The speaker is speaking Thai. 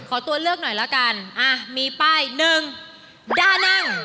ขอตัวเลือกหน่อยละกันอ่ะมีป้าย๑ดานัง